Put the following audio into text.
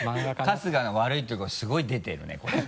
春日の悪いとこすごい出てるねこれ。